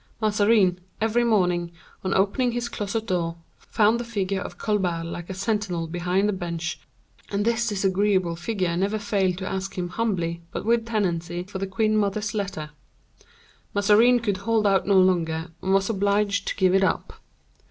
Mazarin, every morning, on opening his closet door, found the figure of Colbert like a sentinel behind the bench, and this disagreeable figure never failed to ask him humbly, but with tenacity, for the queen mother's letter. Mazarin could hold out no longer, and was obliged to give it up.